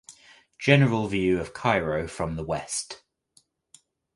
General view of Cairo from the West.